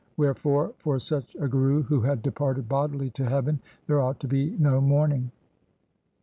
Wherefore for such a Guru who had departed bodily to heaven, there ought to be no mourning.